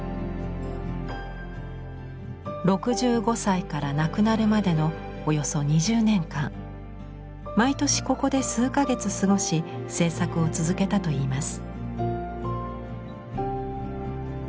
６５歳から亡くなるまでのおよそ２０年間毎年ここで数か月過ごし制作を続けたといいます。